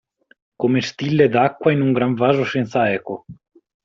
Come stille d'acqua in un gran vaso senza eco.